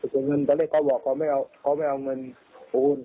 จดเงินแต่เลขก็บอกเขาไม่เอาเงินอูล